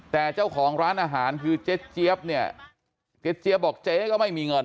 แต่เจ้าของร้านอาหารคือเจ๊เจี๊ยบเนี่ยเจ๊เจี๊ยบบอกเจ๊ก็ไม่มีเงิน